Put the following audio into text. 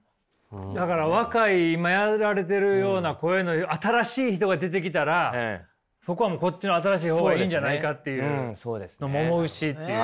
だから若い今やられているような声の新しい人が出てきたらそこはもうこっちの新しい方がいいんじゃないかっていう思うしっていう。